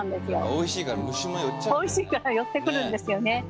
おいしいから寄ってくるんですよね。